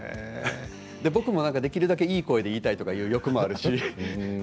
僕もできるだけいい声で言いたいという欲もあるし。